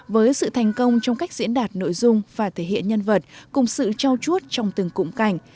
với sự thành công trong cách diễn đạt nội dung và thể hiện nhân vật cùng sự trao chuốt trong từng cụm cảnh